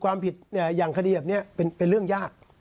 ความผิดอย่างคดีแบบนี้เป็นเรื่องยาก